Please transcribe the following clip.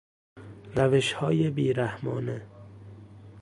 روشهای بیرحمانه